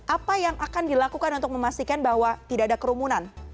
apa yang akan dilakukan untuk memastikan bahwa tidak ada kerumunan